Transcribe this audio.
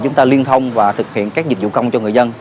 chúng ta liên thông và thực hiện các dịch vụ công cho người dân